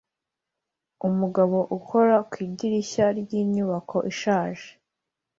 umugabo ukora ku idirishya ryinyubako ishaje